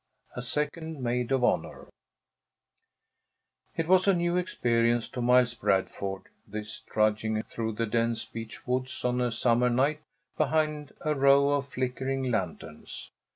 A SECOND MAID OF HONOR It was a new experience to Miles Bradford, this trudging through the dense beech woods on a summer night behind a row of flickering lanterns.